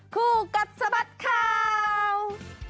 คู่กัดสะบัดข่าว